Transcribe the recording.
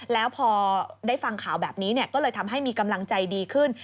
แล้วพอได้ฟังข่าวแบบนี้ก็เลยทำให้มีกำลังใจดีขึ้น